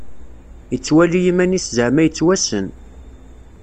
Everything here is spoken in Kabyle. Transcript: Ittwala iman-is zeɛma yettwassen.